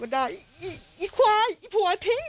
ไอ้ควายไอ้หัวทิ้ง